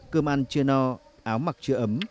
cơm ăn chưa no áo mặc chưa ấm